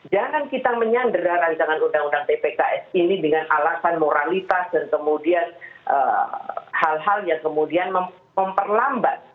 jangan kita menyandera ruti ini dengan alasan moralitas dan kemudian hal hal yang kemudian memperlama